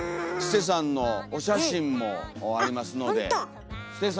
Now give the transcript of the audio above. すてさんのお写真もありますので。